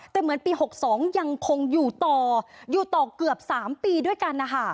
แต่เหมือนปี๖๒ยังคงอยู่ต่ออยู่ต่อเกือบ๓ปีด้วยกันนะคะ